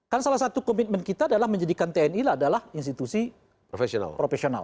kan salah satu komitmen kita adalah menjadikan tni adalah institusi profesional